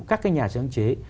các cái nhà sáng chế